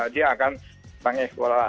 dia akan panggil